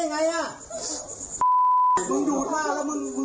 เธอตกใจมากโทรหาพ่อตามมาได้ทันเวลาพอดีเลย